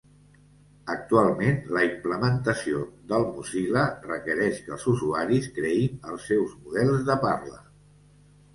Actualment, la implementació del Mozilla requereix que els usuaris creïn els seus models de parla.